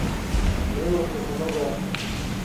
Morreu aos dezanove anos.